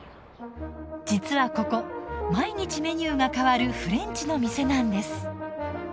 実はここ毎日メニューが変わるフレンチの店なんです。